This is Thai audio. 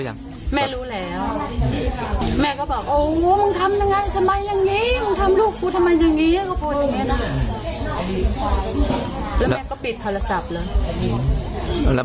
แล้วแม่รู้หรือยัง